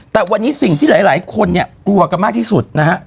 แต่วันนี้สิ่งที่หลายคนเนี่ยกลัวกันมากที่สุดนะฮะ